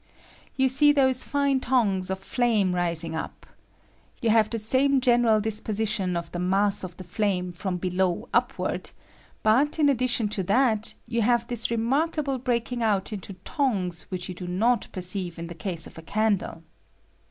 rTou see those fiue tongues of flame rising up. 'ou have the same general disposition of the mass of the flame from below upward, but, in addition to that, you have this remarkable ng out into tongues which you do not :ceive in the case of a candle.